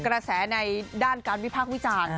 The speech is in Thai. กระแสในด้านการวิพากษ์วิจารณ์